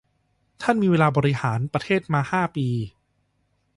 ท่านมีเวลาบริหารประเทศมา ห้า ปี